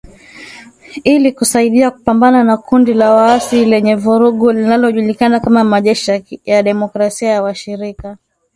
Ili kusaidia kupambana na kundi la waasi lenye vurugu linalojulikana kama Majeshi ya demokrasia ya washirika.